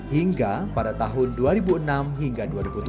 hingga pada tahun dua ribu enam hingga dua ribu tujuh